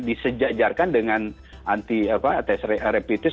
disejajarkan dengan anti repetitif